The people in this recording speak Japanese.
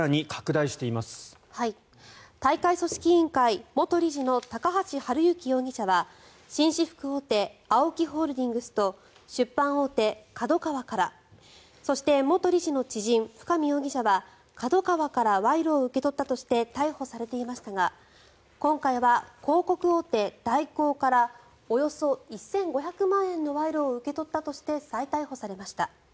大会組織委員会元理事の高橋治之容疑者は紳士服大手ＡＯＫＩホールディングスと出版大手ＫＡＤＯＫＡＷＡからそして、元理事の知人深見容疑者はＫＡＤＯＫＡＷＡから賄賂を受け取ったとして逮捕されていましたが今回は広告大手、大広からおよそ１５００万円の賄賂を受け取ったとして再逮捕されました。